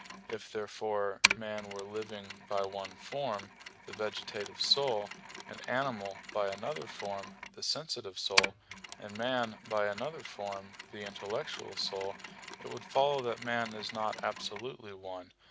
If, therefore, man were living by one form, the vegetative soul, and animal by another form, the sensitive soul, and man by another form, the intellectual soul, it would follow that man is not absolutely one.